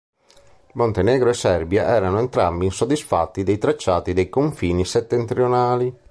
Montenegro e Serbia erano entrambi insoddisfatti dei tracciati dei confini settentrionali.